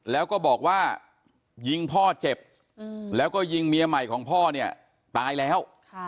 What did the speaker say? แล้วก็บอกว่ายิงพ่อเจ็บแล้วก็ยิงเมียใหม่ของพ่อเนี่ยตายแล้ว